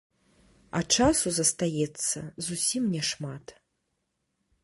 А часу застаецца зусім няшмат.